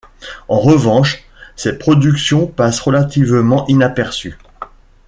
En revanche, ses productions passent relativement inaperçues.